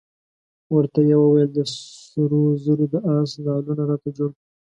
ورته یې وویل د سرو زرو د آس نعلونه راته جوړ کړه.